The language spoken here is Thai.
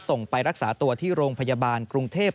ไปรักษาตัวที่โรงพยาบาลกรุงเทพ